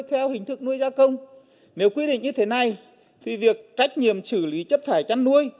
theo hình thức nuôi gia công nếu quy định như thế này thì việc trách nhiệm xử lý chất thải chăn nuôi